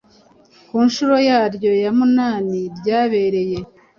ku nshuro yaryo ya munani ryabereye